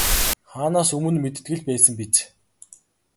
Хаанаас өмнө мэддэг л байсан биз.